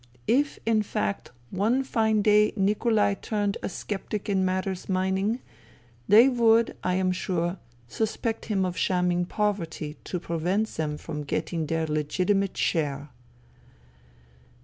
If, in fact, one fine day Nikolai turned a sceptic in matters mining, they would, I am sure, suspect him of shamming poverty to prevent them from getting their legitimate share."